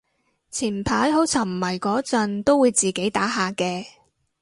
前排好沉迷嗰陣都會自己打下嘅